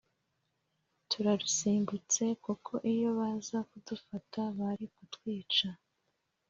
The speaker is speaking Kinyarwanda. turarusimbutse kuko iyo baza kudufata bari kutwica